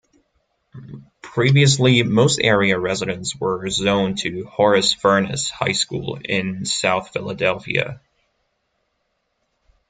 Previously most area residents were zoned to Horace Furness High School in South Philadelphia.